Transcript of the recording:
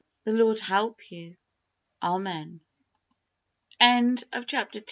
The Lord help you. Amen. CHAPTER III.